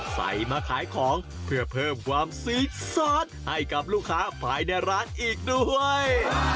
ใส่มาขายของเพื่อเพิ่มความซีดซ้อนให้กับลูกค้าภายในร้านอีกด้วย